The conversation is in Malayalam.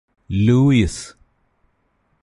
ലൂയിസ്